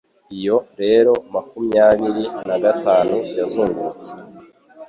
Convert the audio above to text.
Iyo rero makumyabiri na gatanu yazungurutse